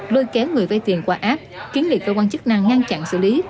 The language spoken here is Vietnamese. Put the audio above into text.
lôi kéo người vay tiền qua app kiến nghị cơ quan chức năng ngăn chặn xử lý